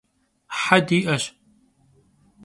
He di'eş.